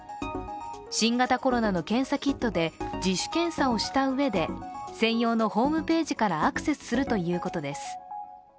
新型コロナの検査キットで自主検査をしたうえで、専用のホームページからアクセスするということです。